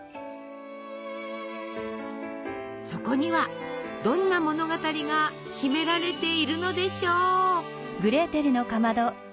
そこにはどんな物語が秘められているのでしょう！